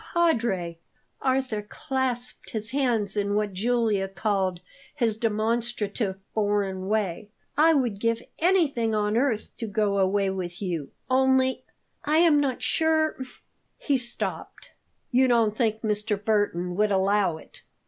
"Padre!" Arthur clasped his hands in what Julia called his "demonstrative foreign way." "I would give anything on earth to go away with you. Only I am not sure " He stopped. "You don't think Mr. Burton would allow it?"